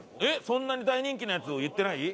そんなに大人気なやつを言ってない？